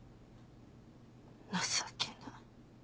情けない。